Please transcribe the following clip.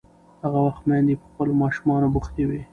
هغه وخت میندې په خپلو ماشومانو بوختې وې.